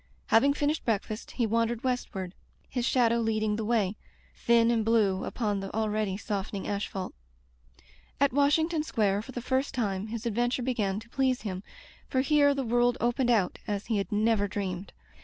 Having finished breakfast, he wandered westward — his shadow leading the way, thin and blue upon the already softening asphalt. Digitized by LjOOQ IC A Tempered Wind At Washington Square, for the first time his adventure began to please him, for here the world opened out as he had never dreamed.